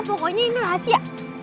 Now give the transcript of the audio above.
pokoknya ini rahasia